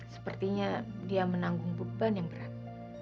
sepertinya dia menanggung beban yang berat